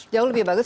jauh lebih bagus